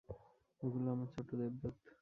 এগুলো আমার ছোট্ট দেবদূত।